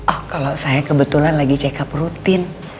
oh kalau saya kebetulan lagi check up rutin